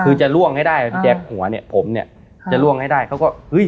คือจะล่วงให้ได้พี่แจ๊คหัวเนี่ยผมเนี่ยจะล่วงให้ได้เขาก็เฮ้ย